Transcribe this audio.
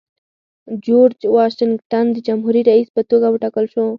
جورج واشنګټن د جمهوري رئیس په توګه وټاکل شو.